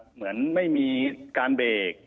เหมือนไม่มีการเบรก